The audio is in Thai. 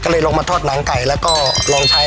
ก็เลยลงมาทอดหนังไก่แล้วก็ลองใช้